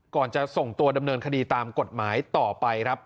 จะส่งตัวดำเนินคดีตามกฎหมายต่อไปครับ